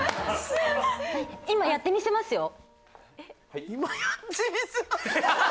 「今やってみせます」。